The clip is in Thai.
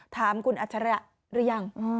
ถามคุณอัจฉริยะหรือยัง